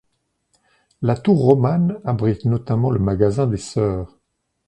La tour romane abrite notamment le magasin des sœurs.